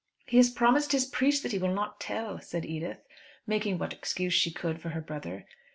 "He has promised his priest that he will not tell," said Edith, making what excuse she could for her brother.